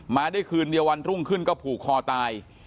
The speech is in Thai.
มาได้คืนเดียววันรุ่งขึ้นก็ผูกคอตาย